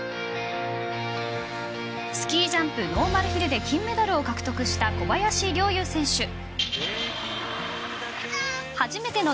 スキージャンプノーマルヒルで金メダルを獲得した小林陵侑選手。